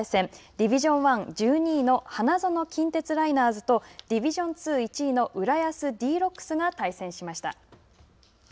ディビジョン１、１２位の花園近鉄ライナーズとディビジョン２、１位の浦安Ｄ−Ｒｏｃｋｓが対戦しました。